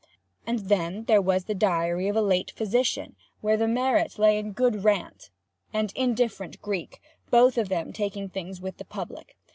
And then there was 'The Diary of a Late Physician,' where the merit lay in good rant, and indifferent Greek—both of them taking things with the public.